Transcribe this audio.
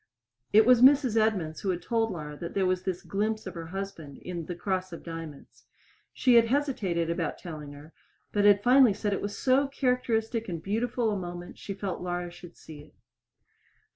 It was Mrs. Edmunds who had told Laura that there was this glimpse of her husband in "The Cross of Diamonds." She had hesitated about telling her, but had finally said it was so characteristic and beautiful a moment she felt Laura should see it.